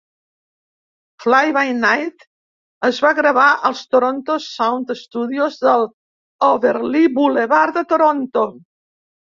"Fly by Night" es va gravar als Toronto Sound Studios del Overlea Boulevard de Toronto.